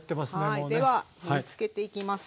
では盛りつけていきます。